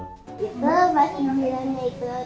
kalau mereka hari mau kalau mereka bukan